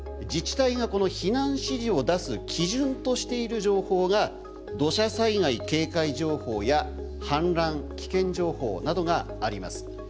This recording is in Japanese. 自治体がこの避難指示を出す基準としている情報が土砂災害警戒情報や氾濫危険情報などがあります。